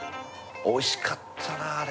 おいしかったなあれ。